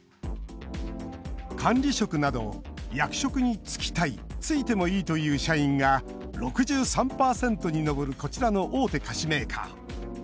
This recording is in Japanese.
管理職など、役職につきたいついてもいいという社員が６３％に上るこちらの大手菓子メーカー。